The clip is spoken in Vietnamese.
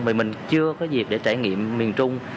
vì mình chưa có dịp để trải nghiệm miền trung